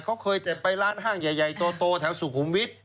เขาเคยจะไปร้านห้างใหญ่โตแถวสุขุมวิทย์